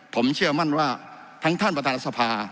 ผมเชื่อมั่นว่าทั้งท่านประธานรัฐสภา